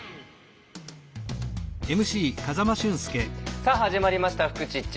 さあ始まりました「フクチッチ」。